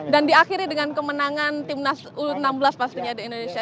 dan diakhiri dengan kemenangan timnas u enam belas pastinya di indonesia